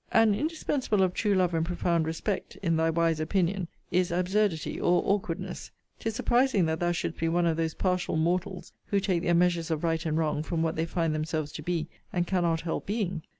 An indispensable of true love and profound respect, in thy wise opinion,* is absurdity or awkwardness. 'Tis surprising that thou shouldst be one of those partial mortals who take their measures of right and wrong from what they find themselves to be, and cannot help being!